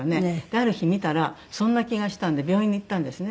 ある日見たらそんな気がしたんで病院に行ったんですね。